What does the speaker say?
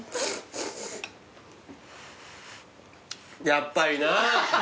やっぱりな！